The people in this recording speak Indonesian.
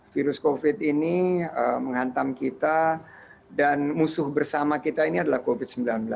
virus covid ini menghantam kita dan musuh bersama kita ini adalah covid sembilan belas